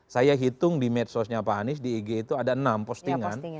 saya hitung di medsosnya pak anies di ig itu ada enam postingan